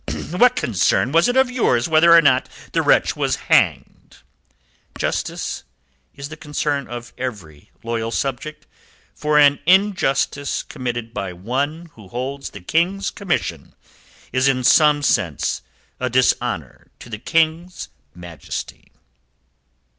"What concern was it of yours whether or how the wretch was hanged?" "Justice is the concern of every loyal subject, for an injustice committed by one who holds the King's commission is in some sense a dishonour to the King's majesty."